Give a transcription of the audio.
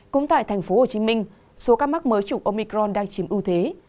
cũng tại tp hcm số các mắc mới chủng omicron đang chìm ưu thế